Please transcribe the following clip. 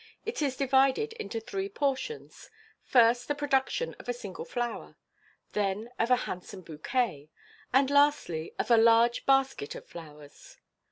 It is divided into three portions— first, the production of a single flower, then of a handsome bouquet, and lastly, of a large basket of flowers.